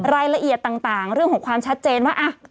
รายละเอียดต่างเรื่องของความชัดเจนว่า